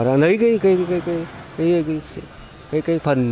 lấy cái phần